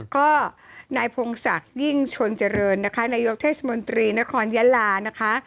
ก็นายพงศักดิ์ยิ่งชนเจริญนะคะนายกเทศมนตรีนครยะลานะคะ